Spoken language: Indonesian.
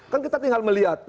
kan kita tinggal melihat